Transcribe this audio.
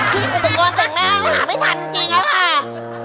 อุปกรณ์แต่งหน้าก็หาไม่ทันจริงแล้วค่ะ